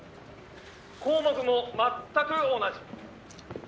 項目も全く同じ」